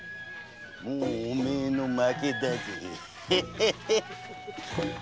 もうお前の負けだぜ。